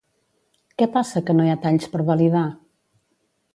Què passa que no hi ha talls per validar?